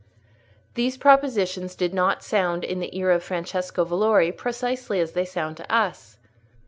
These propositions did not sound in the ear of Francesco Valori precisely as they sound to us.